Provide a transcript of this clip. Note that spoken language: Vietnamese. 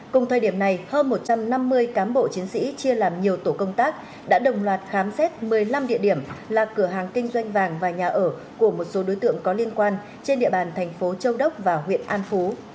cùng thời điểm này hơn một trăm năm mươi cán bộ chiến sĩ chia làm nhiều tổ công tác đã đồng loạt khám xét một mươi năm địa điểm là cửa hàng kinh doanh vàng và nhà ở của một số đối tượng có liên quan trên địa bàn thành phố châu đốc và huyện an phú